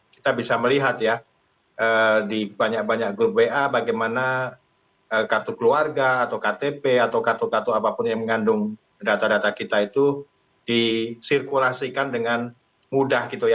kita bisa melihat ya di banyak banyak grup wa bagaimana kartu keluarga atau ktp atau kartu kartu apapun yang mengandung data data kita itu disirkulasikan dengan mudah gitu ya